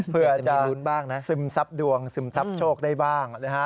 เพื่อจะซึมซับดวงซึมซับโชคได้บ้างนะครับ